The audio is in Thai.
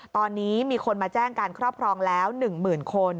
ตอนนี้มีคนมาแจ้งการครอบครองแล้ว๑๐๐๐คน